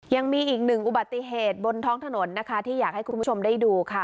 ยังมีอีกหนึ่งอุบัติเหตุบนท้องถนนนะคะที่อยากให้คุณผู้ชมได้ดูค่ะ